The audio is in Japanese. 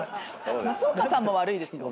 松岡さんも悪いですよ。